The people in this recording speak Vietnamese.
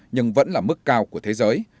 nhưng vẫn là mức cao của thế giới